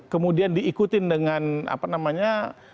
kemudian diikutin dengan apa namanya